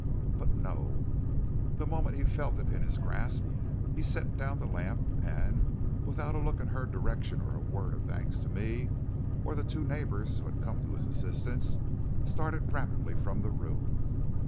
"But no, the moment he felt it in his grasp, he set down the lamp, and, without a look in her direction or a word of thanks to me or the two neighbors who had come to his assistance, started rapidly from the room.